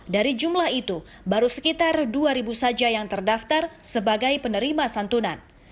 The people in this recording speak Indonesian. dari jumlah itu baru sekitar dua saja yang terdaftar sebagai penerima santunan